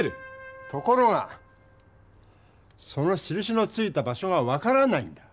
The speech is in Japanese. ところがそのしるしのついた場所が分からないんだ。